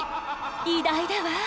偉大だわ！